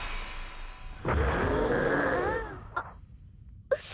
あっうそ。